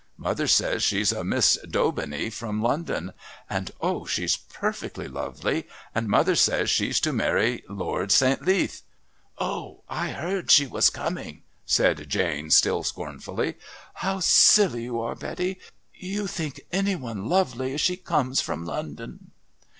Mother says she's a Miss Daubeney from London and oh! she's perfectly lovely! and mother says she's to marry Lord St. Leath " "Oh! I heard she was coming," said Jane, still scornfully. "How silly you are, Betty! You think any one lovely if she comes from London."